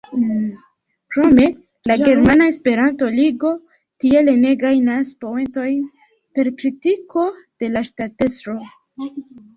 Krome la Germana Esperanto-Ligo tiele ne gajnas poentojn per kritiko de la ŝtatestro.